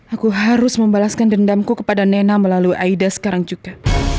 aku harus membalaskan dendamku kepada nena melalui aida sekarang juga